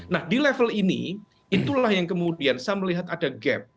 nah di level ini itulah yang kemudian saya melihat ada gap